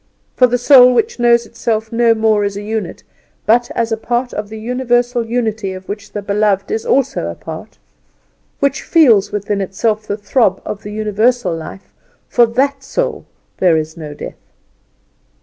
For the soul which knows itself no more as a unit, but as a part of the Universal Unity of which the Beloved also is a part; which feels within itself the throb of the Universal Life; for that soul there is no death.